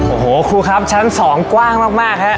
โอ้โหครูครับชั้น๒กว้างมากฮะ